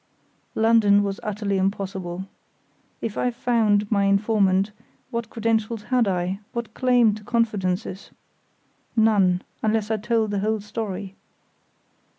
London was utterly impossible. If I found my informant, what credentials had I, what claim to confidences? None, unless I told the whole story.